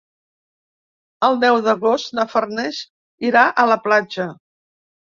El deu d'agost na Farners irà a la platja.